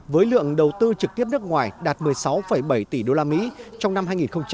với lượng đầu tư trực tiếp nước ngoài đạt một mươi sáu bảy tỷ usd trong năm hai nghìn hai mươi ba